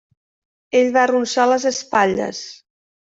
Ell va arronsar les espatlles.